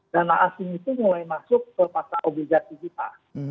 dana asing itu mulai masuk ke pasar obligasi kita